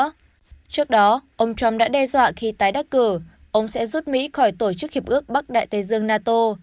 trước đó ông trump đã đe dọa khi tái đắc cử ông sẽ rút mỹ khỏi tổ chức hiệp ước bắc đại tây dương nato